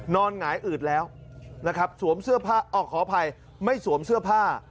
นอนหงายอืดแล้วนะครับออกขออภัยไม่สวมเสื้อผ้า